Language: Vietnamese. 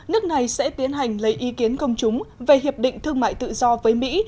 nước này sẽ tiến hành lấy ý kiến công chúng về hiệp định thương mại tự do với mỹ